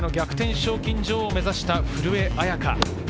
賞金女王を目指した古江彩佳。